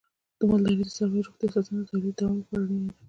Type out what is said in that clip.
د مالدارۍ د څارویو روغتیا ساتنه د تولید د دوام لپاره اړینه ده.